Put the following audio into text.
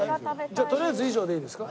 とりあえず以上でいいですか？